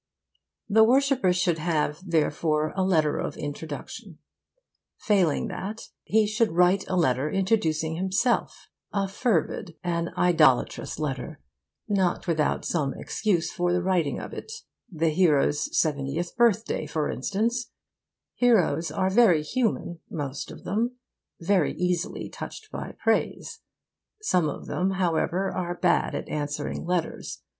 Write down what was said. The worshipper should have, therefore, a letter of introduction. Failing that, he should write a letter introducing himself a fervid, an idolatrous letter, not without some excuse for the writing of it: the hero's seventieth birthday, for instance, or a desire for light on some obscure point in one of his earlier works. Heroes are very human, most of them; very easily touched by praise. Some of them, however, are bad at answering letters.